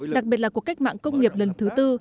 đặc biệt là cuộc cách mạng công nghiệp lần thứ tư